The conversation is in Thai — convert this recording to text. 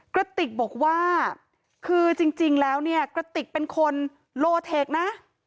กระติกบอกว่าคือจริงแล้วเนี่ยกระติกเป็นคนโลเทคนะ